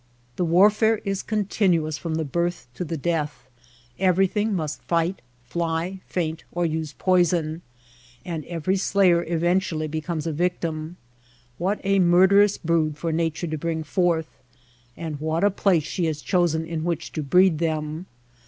The warfare is con tinuous from the birth to the death. Every thing must fight, fly, feint, or use poison ; and every slayer eventually becomes a victim. What a murderous brood for Nature to bring forth ! And what a place she has chosen in which to breed them